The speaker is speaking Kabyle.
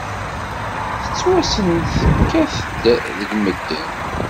Tettwassen tekkat-d deg medden.